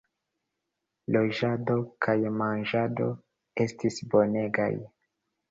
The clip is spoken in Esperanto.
Loĝado kaj manĝado estis bonegaj.